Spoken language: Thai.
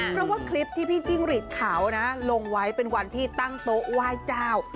เพราะว่าคลิปที่พี่จิ้งหลีดขาวนะลงไว้เป็นวันที่ตั้งโต๊ะไหว้เจ้า